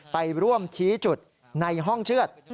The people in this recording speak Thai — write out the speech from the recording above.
ไปร่วมชี้จุดในห้องเชือด